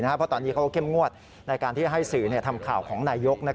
เพราะตอนนี้เขาก็เข้มงวดในการที่จะให้สื่อทำข่าวของนายก